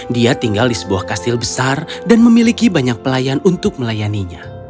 dia tinggal di sebuah kastil besar dan memiliki banyak pelayan untuk melayaninya